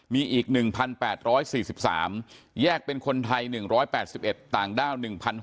มีอีก๑๘๔๓แยกเป็นคนไทย๑๘๑ต่างด้าว๑๖